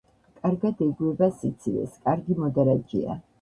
კარგად ეგუება სიცივეს, კარგი მოდარაჯეა.